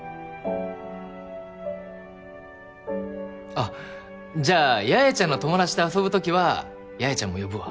あっじゃあ八重ちゃんの友達と遊ぶときは八重ちゃんも呼ぶわ。